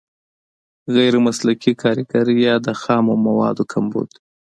غیر مسلکي کارګر یا د خامو موادو کمبود.